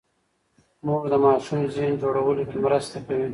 مور د ماشوم ذهن جوړولو کې مرسته کوي.